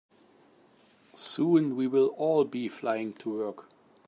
Soon, we will all be flying to work.